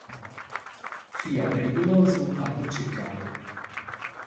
Fiat perigulosu a lu chircare.